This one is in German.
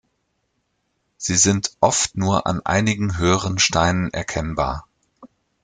Sie sind oft nur an einigen höheren Steinen erkennbar.